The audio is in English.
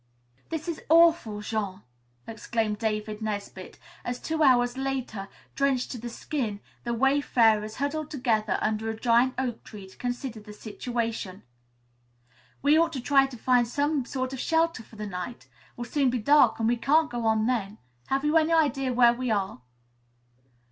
"This is awful, Jean!" exclaimed David Nesbit, as two hours later, drenched to the skin, the wayfarers huddled together under a giant oak tree to consider the situation. "We ought to try to find some sort of shelter for the night. It will soon be dark and we can't go on then. Have you any idea where we are?"